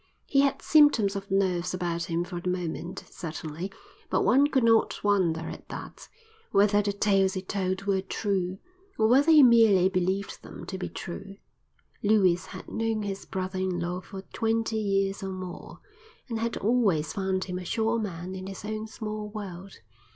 He had symptoms of nerves about him for the moment, certainly, but one could not wonder at that, whether the tales he told were true, or whether he merely believed them to be true. Lewis had known his brother in law for twenty years or more, and had always found him a sure man in his own small world.